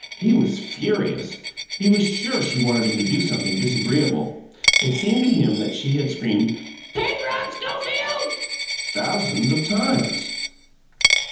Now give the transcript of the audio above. He was furious; he was sure she wanted him to do something disagreeable. It seemed to him that she had screamed "Penrod Schofield!" thousands of times.